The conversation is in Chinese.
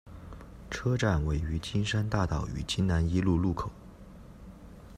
车站位于金山大道与金南一路路口。